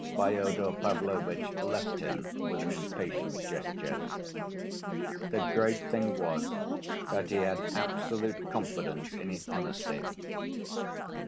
Fyodor Pavlovitch left him with an impatient gesture. The great thing was that he had absolute confidence in his honesty.